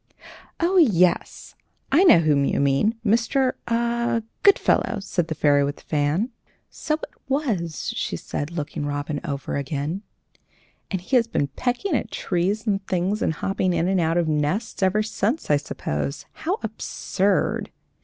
"Oh, yes! I know whom you mean. Mr. , ah Goodfellow!" said the fairy with the fan. "So it was," she said, looking Robin over again. "And he has been pecking at trees and things, and hopping in and out of nests ever since, I suppose. How absurd!